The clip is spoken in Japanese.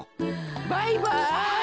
バイバイ。